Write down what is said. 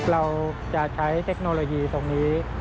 เราจะใช้เทคโนโลยีตรงนี้